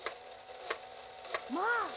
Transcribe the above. まあ！